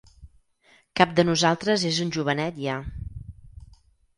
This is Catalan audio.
Cap de nosaltres és un jovenet ja.